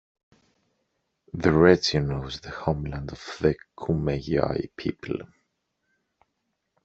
The region was the homeland of the Kumeyaay people.